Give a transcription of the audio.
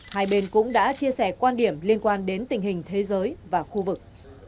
hai bên cũng đã chia sẻ quan điểm liên quan đến tình hình thế giới và khu vực